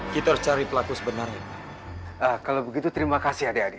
kita harus cari pelaku sebenarnya kalau begitu terima kasih adik adik